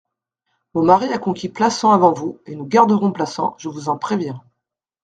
Mon mari a conquis Plassans avant vous, et nous garderons Plassans, je vous en préviens.